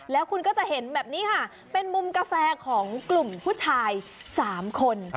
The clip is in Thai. แล้วคุณก็จะเห็นแบบนี้ค่ะเป็นมุมกาแฟของกลุ่มผู้ชาย๓คน